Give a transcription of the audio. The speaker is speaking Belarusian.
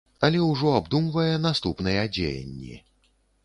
Але ўжо абдумвае наступныя дзеянні.